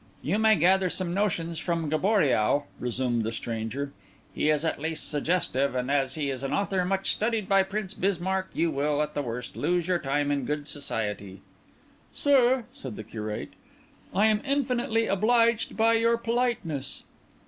"You may gather some notions from Gaboriau," resumed the stranger. "He is at least suggestive; and as he is an author much studied by Prince Bismarck, you will, at the worst, lose your time in good society." "Sir," said the Curate, "I am infinitely obliged by your politeness."